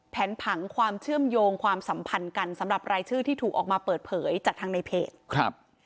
ผังความเชื่อมโยงความสัมพันธ์กันสำหรับรายชื่อที่ถูกออกมาเปิดเผยจากทางในเพจครับ